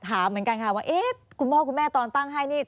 ถามเหมือนกันค่ะว่าเอ๊ะคุณพ่อคุณแม่ตอนตั้งให้นี่